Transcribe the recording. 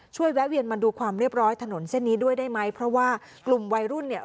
แวะเวียนมาดูความเรียบร้อยถนนเส้นนี้ด้วยได้ไหมเพราะว่ากลุ่มวัยรุ่นเนี่ย